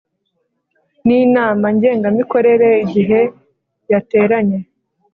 N inama ngenamikorere igihe yateranye